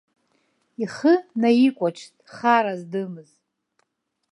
Ихы наикәаҽт хара здымыз.